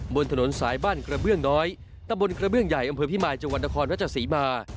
บนถนนสายบ้านกระเบื้องน้อยตะบนกระเบื้องใหญ่อำเภอพิมายจังหวัดนครรัชศรีมา